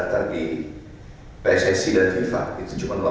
kita punya dua ratus lima puluh juta lebih